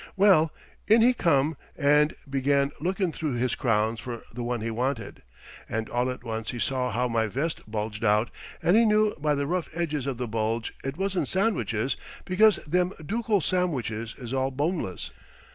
"Well, in he come and began lookin' through his crowns for the one he wanted, and all at once he saw how my vest bulged out, and he knew by the rough edges of the bulge it wasn't samwiches because them dookal samwiches is all boneless.